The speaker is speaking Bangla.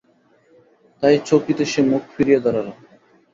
তাই চকিতে সে মুখ ফিরিয়ে দাঁড়াল।